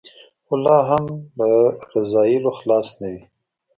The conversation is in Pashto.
خو لا هم له رذایلو خلاص نه وي.